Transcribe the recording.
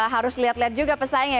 harus lihat lihat juga pesaing ya